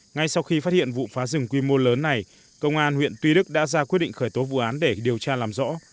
ngay sau khi phát hiện vụ phá rừng quy mô lớn này công an huyện tuy đức đã ra quyết định khởi tố vụ án để điều tra làm rõ